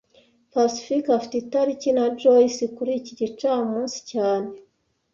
Pacifique afite itariki na Joyce kuri iki gicamunsi cyane